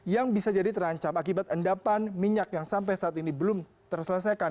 yang bisa jadi terancam akibat endapan minyak yang sampai saat ini belum terselesaikan